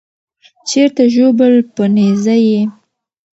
چیرته ژوبل په نېزه یې